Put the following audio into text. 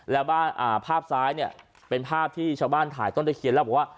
แล้วภาพซ้ายเนี่ยเป็นภาพที่ชาวบ้านถ่ายต้นตะเคียนแล้วบอกว่า